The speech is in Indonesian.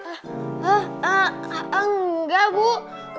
eh eh eh enggak bu